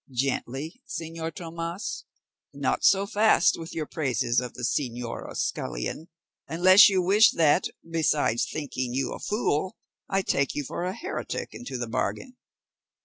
"Gently, señor Tomas; not so fast with your praises of the señora scullion, unless you wish that, besides thinking you a fool, I take you for a heretic into the bargain."